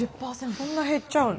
そんな減っちゃうの。